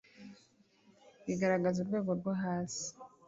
bigaragaza urwego rwo hasi